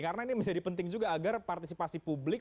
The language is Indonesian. karena ini menjadi penting juga agar partisipasi publik